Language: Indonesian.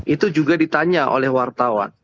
itu juga ditanya oleh wartawan